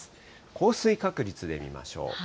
降水確率で見ましょう。